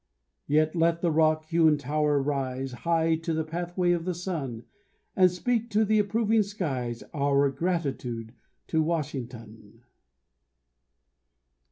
Yet let the rock hewn tower rise, High to the pathway of the sun, And speak to the approving skies Our gratitude to Washington.